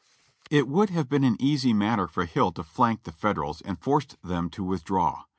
It would have been an easy matter for Hill to flank the Federals and forced them to withdraw.